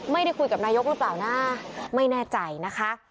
ไม่ได้คุยกับนายกหรือเปล่านะไม่แน่ใจนะคะ